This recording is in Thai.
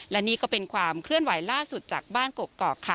และนี่ก็เป็นความเคลื่อนไหวล่าสุดจากบ้านกกอกค่ะ